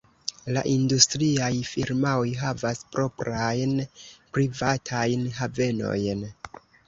La industriaj firmaoj havas proprajn privatajn havenojn.